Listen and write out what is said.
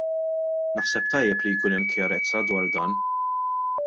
Naħseb tajjeb li jkun hemm kjarezza dwar dan.